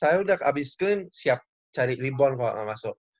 saya udah abis screen siap cari rebound kalo gak masuk